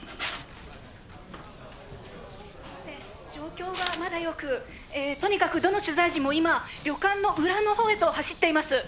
「状況がまだよくえとにかくどの取材陣も今旅館の裏の方へと走っています」